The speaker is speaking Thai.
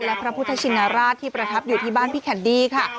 และพระพุทธชินราชที่ประทับอยู่ที่บ้านพี่แคนดี้ค่ะ